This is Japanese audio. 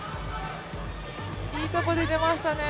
いいところで出ましたね。